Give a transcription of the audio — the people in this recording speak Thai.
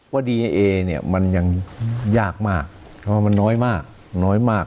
ดีเอเนี่ยมันยังยากมากเพราะว่ามันน้อยมากน้อยมาก